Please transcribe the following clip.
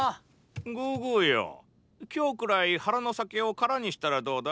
グーグーよ今日くらい腹の酒を空にしたらどうだ。